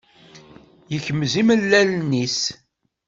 Yekmez imellalen-is